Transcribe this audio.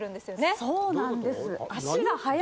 そうなんです。